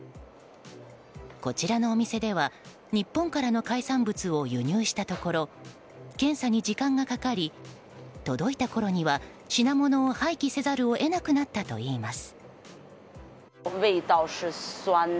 こちらのお店では、日本からの海産物を輸入したところ検査に時間がかかり届いたころには品物を廃棄せざるを得なくなったといいます。